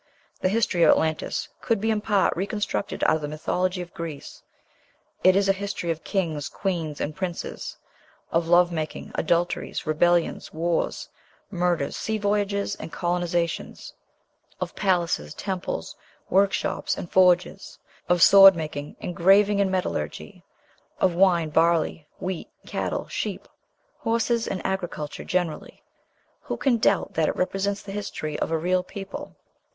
The history of Atlantis could be in part reconstructed out of the mythology of Greece; it is a history of kings, queens, and princes; of love making, adulteries, rebellions, wars, murders, sea voyages, and colonizations; of palaces, temples, workshops, and forges; of sword making, engraving and metallurgy; of wine, barley, wheat, cattle, sheep, horses, and agriculture generally. Who can doubt that it represents the history of a real people?